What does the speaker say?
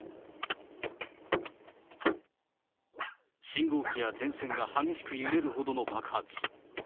信号機や電線が激しく揺れるほどの爆発。